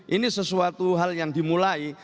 ini sesuatu hal yang dimulai